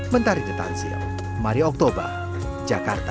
bentar di tansil mari oktober jakarta